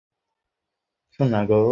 মনে হচ্ছে পুরোটা পথ হেঁটে এসেছিস!